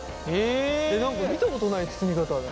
何か見たことない包み方だ。